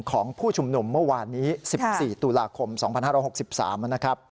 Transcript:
ของผู้ชุมนุมเมื่อวานนี้๑๔ตุลาคม๒๕๖๓นะครับ